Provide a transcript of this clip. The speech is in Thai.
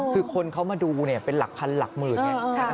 คือคนเข้ามาดูเป็นหลักคันหลักมืออย่างนี้